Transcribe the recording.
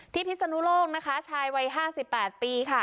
ที่พิศนุโลกนะคะชายวัยห้าสิบแปดปีค่ะ